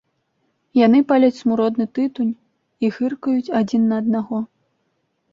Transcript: Яны паляць смуродны тытунь і гыркаюць адзін на аднаго.